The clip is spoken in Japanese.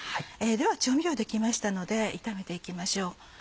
では調味料出来ましたので炒めて行きましょう。